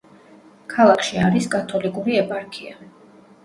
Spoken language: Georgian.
ქალაქში არის კათოლიკური ეპარქია.